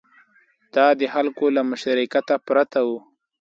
دا د خلکو له مشارکت پرته و